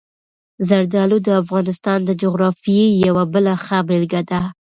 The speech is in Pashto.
زردالو د افغانستان د جغرافیې یوه بله ښه بېلګه ده.